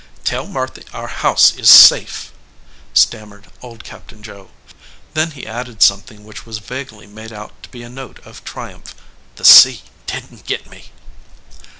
"Tell Marthy Our House is safe," stammered old Captain Joe. Then he added something which 150 THE OUTSIDE OF THE HOUSE was vaguely made out to be a note of triumph. "The sea didn t git me."